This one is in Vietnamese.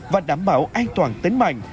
và đảm bảo an toàn tính mạnh